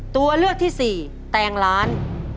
ตัวเลือกที่๔แต่งร้าน